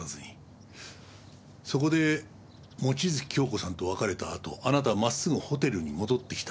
そこで望月京子さんと別れたあとあなたは真っすぐホテルに戻ってきた。